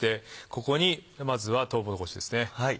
ここにまずはとうもろこしですね。